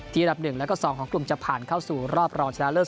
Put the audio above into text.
อันดับ๑แล้วก็๒ของกลุ่มจะผ่านเข้าสู่รอบรองชนะเลิศ